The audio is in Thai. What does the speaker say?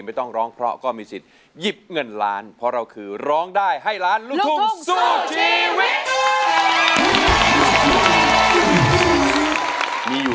เป็นผู้หญิงหัวใจแกร่งทีเดียว